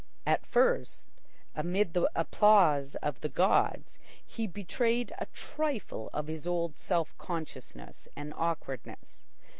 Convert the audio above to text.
At first, amid the applause of the gods, he betrayed a trifle of his old self consciousness and awkwardness.